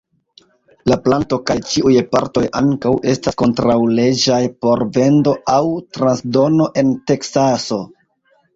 La planto kaj ĉiuj partoj ankaŭ estas kontraŭleĝaj por vendo aŭ transdono en Teksaso.